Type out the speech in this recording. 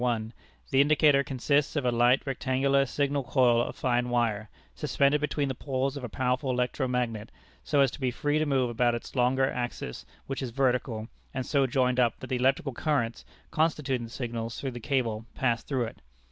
1), the indicator consists of a light rectangular signal coil of fine wire, suspended between the poles of a powerful electro magnet, so as to be free to move about its longer axis which is vertical, and so joined up that the electric currents constituting the signals through the cable, pass through it.